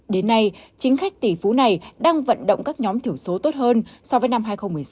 đến nay chính khách tỷ phú này đang vận động các nhóm thiểu số tốt hơn so với năm hai nghìn một mươi sáu hai nghìn hai mươi